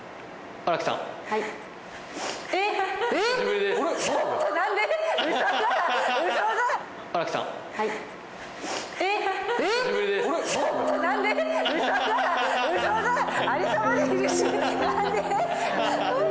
荒木さん。